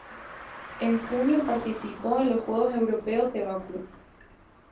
En junio, participó en los Juegos Europeos de Bakú.